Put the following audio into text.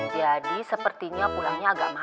jadi sepertinya pulangnya agak malem nih